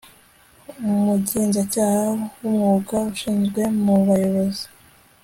umugenzacyaha w umwuga ushyizwe mu bayobozi